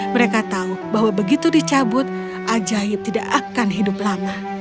mereka tahu bahwa begitu dicabut ajaib tidak akan hidup lama